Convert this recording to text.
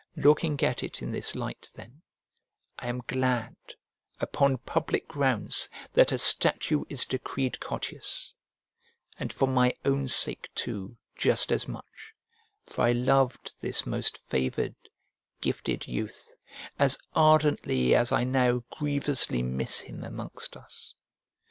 Looking at it in this light then, I am glad, upon public grounds, that a statue is decreed Cottius: and for my own sake too, just as much; for I loved this most favoured, gifted, youth, as ardently as I now grievously miss him amongst us.